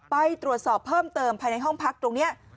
ไปตรวจสอบเพิ่มเติมภายในห้องพักตรงนี้